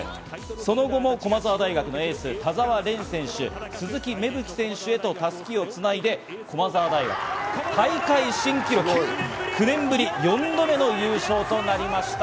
その後も駒澤大学のエース・田澤廉選手、鈴木芽吹選手へと襷をつないで、駒澤大学、大会新記録、９年ぶり４度目の優勝となりました。